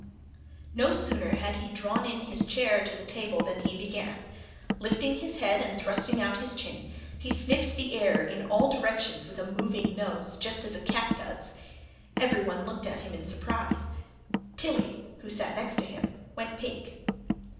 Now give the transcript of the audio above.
No sooner had he drawn in his chair to the table than he began. Lifting his head and thrusting out his chin, he sniffed the air in all directions with a moving nose just as a cat does. Everyone looked at him in surprise. Tilly, who sat next him, went pink.